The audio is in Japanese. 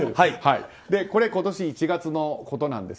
これは今年１月のことなんです。